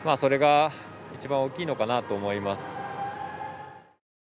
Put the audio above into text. それが一番大きいのかなと思います。